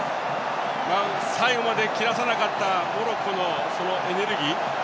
最後まで切らさなかったモロッコのエネルギー。